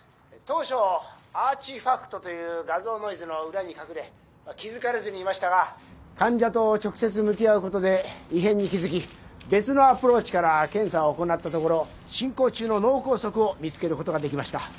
当初アーチファクトという画像ノイズの裏に隠れ気付かれずにいましたが患者と直接向き合うことで異変に気付き別のアプローチから検査を行ったところ進行中の脳梗塞を見つけることができました。